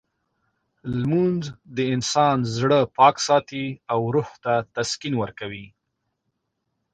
لمونځ د انسان زړه پاک ساتي او روح ته تسکین ورکوي.